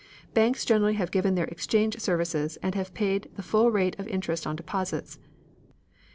Banks generally have given their exchange services and have paid the full rate of interest on deposits.